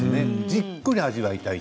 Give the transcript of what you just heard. じっくり味わいたい。